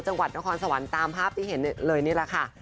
จังหวัดนครสวรรค์ตามภาพที่เห็นเลยนี่แหละค่ะ